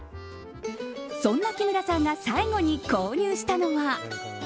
そんな木村さんが最後に購入したのは。